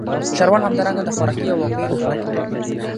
ښاروال همدارنګه د خوراکي او غیرخوراکي توکو